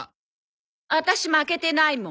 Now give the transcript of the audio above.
ワタシ負けてないもん。